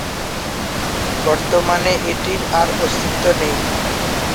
বর্তমানে এটির আর অস্তিত্ব নেই।